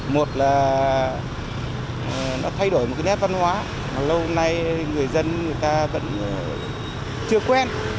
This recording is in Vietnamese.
một là nó thay đổi một cái nét văn hóa mà lâu nay người dân người ta vẫn chưa quen